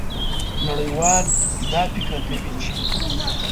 نړیوال دا فکر کوي چې